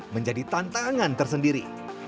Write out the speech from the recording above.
menjadi tantangan tersendiri